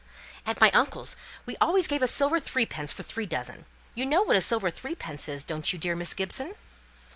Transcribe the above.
"At my uncle's, we always give a silver threepence for three dozen. You know what a silver threepence is, don't you, dear Miss Gibson?"